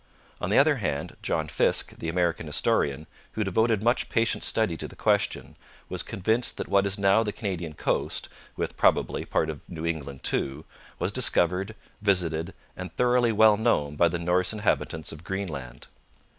On the other hand, John Fiske, the American historian, who devoted much patient study to the question, was convinced that what is now the Canadian coast, with, probably, part of New England too, was discovered, visited, and thoroughly well known by the Norse inhabitants of Greenland.